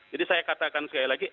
jadi saya katakan sekali lagi